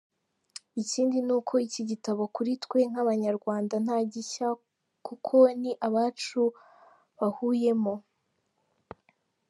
ikindi nuko iki gitabo kuri twe nk’abanyarwanda nta gishya kuko ni abacu bahuyemo.